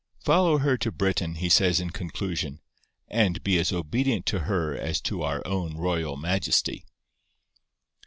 . Follow her to Britain,' he says in conclusion, 'and be as obedient to her as to our own royal Majesty'!